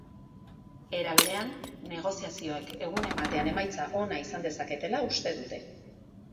Era berean, negoziazioek egunen batean emaitza ona izan dezaketela uste dute.